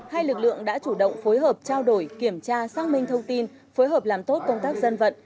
hai lực lượng đã chủ động phối hợp trao đổi kiểm tra xác minh thông tin phối hợp làm tốt công tác dân vận